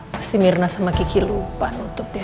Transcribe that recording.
pasti mirna sama kiki lupa nutup ya